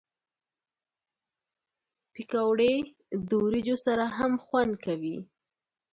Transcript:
پکورې د وریجو سره هم خوند کوي